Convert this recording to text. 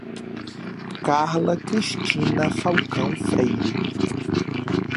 Carla Cristina Falcão Freire